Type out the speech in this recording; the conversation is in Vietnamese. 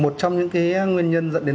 một trong những cái nguyên nhân dẫn đến